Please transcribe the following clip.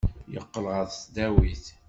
Yeqqel ɣer tesdawit.